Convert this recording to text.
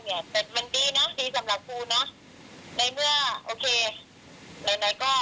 มาเรื่อยค่ะคือฟ้าคิดว่านะมันเป็นข่าวไปแล้วอะอ่ะไหน